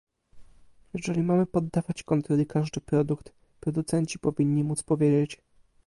Jeżeli mamy poddawać kontroli każdy produkt, producenci powinni móc powiedzieć